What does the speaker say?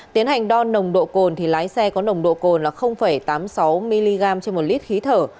tiến hành đo nồng độ cồn thì lái xe có nồng độ cồn là tám mươi sáu mg trên một lít khí thở